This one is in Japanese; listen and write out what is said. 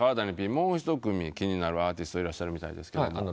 もう一組気になるアーティストいらっしゃるみたいですけど。